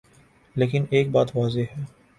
لیکن ایک بات واضح ہے۔